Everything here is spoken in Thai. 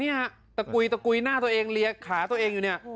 เนี่ยตะกุยตะกุยหน้าตัวเองเรียกขาตัวเองอยู่เนี่ย